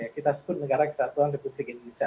kita sebut negara kesatuan di publik indonesia